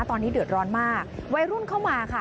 ตอนนี้เดือดร้อนมากวัยรุ่นเข้ามาค่ะ